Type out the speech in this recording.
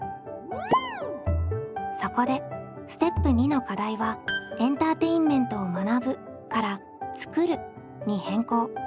そこでステップ２の課題はエンターテインメントを「学ぶ」から「作る」に変更。